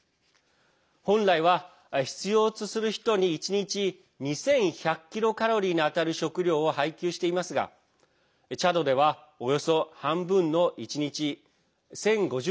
本来は必要とする人に、１日２１００キロカロリーに当たる食糧を配給していますがチャドでは、およそ半分の１日１０５０